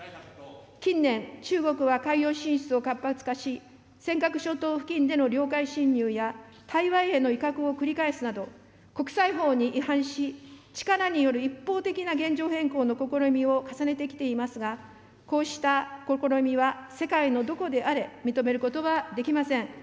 近年、中国は海洋進出を活発化し、尖閣諸島付近での領海侵入や、台湾への威嚇を繰り返すなど、国際法に違反し、力による一方的な現状変更の試みを重ねてきていますが、こうした試みは世界のどこであれ、認めることはできません。